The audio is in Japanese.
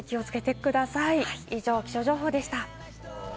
以上、気象情報でした。